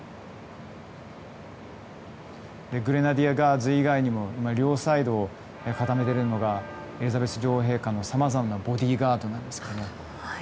グレナディアガーズ以外にも両サイドを固めてるのがエリザベス女王陛下のさまざまなボディーガードです。